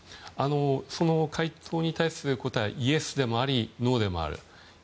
それに対する答えはイエスでもありノーでもある。